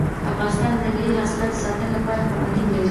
افغانستان د ځنګلي حاصلاتو د ساتنې لپاره قوانین لري.